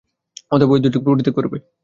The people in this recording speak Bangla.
অতএব ঐ দুটি পরিত্যাগ করিবে।